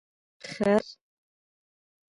🫏 خر